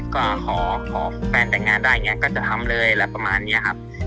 ครอวิธีแฟนแดดงานจะทำเลย